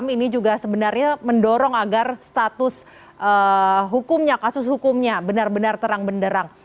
ini juga sebenarnya mendorong agar status hukumnya kasus hukumnya benar benar terang benderang